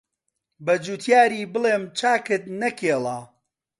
بەجوتیاری بڵێم چاکت نەکێڵا